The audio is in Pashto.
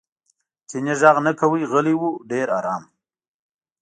چیني غږ نه کاوه غلی و ډېر ارام.